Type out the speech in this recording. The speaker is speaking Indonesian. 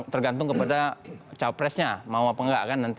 tergantung kepada capresnya mau apa enggak kan nanti